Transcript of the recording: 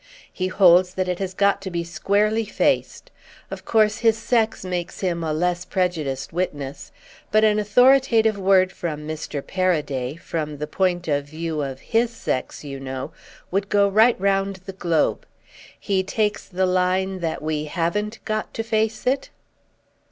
He holds that it has got to be squarely faced. Of course his sex makes him a less prejudiced witness. But an authoritative word from Mr. Paraday—from the point of view of his sex, you know—would go right round the globe. He takes the line that we haven't got to face it?"